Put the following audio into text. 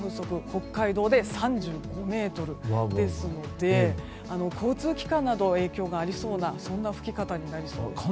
北海道で３５メートルですので交通機関など影響がありそうな吹き方になりそうです。